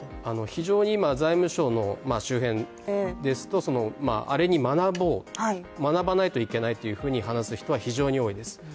非常に財務省の周辺ですと、あれに学ぼう学ばないといけないと話す人は非常に多いです。